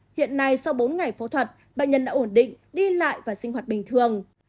hiện nay sau bốn ngày phẫu thuật bệnh nhân đã ổn định đi lại và sinh hoạt bình thường